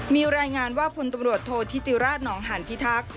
มีรายงานว่าพลตำรวจโทษธิติราชนองหานพิทักษ์